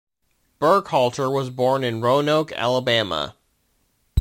Burkhalter was born in Roanoke, Alabama.